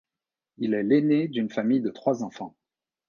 Il est l'aîné d'une famille de trois enfants.